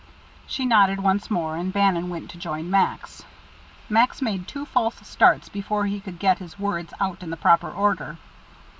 She nodded once more, and Bannon went to join Max. Max made two false starts before he could get his words out in the proper order.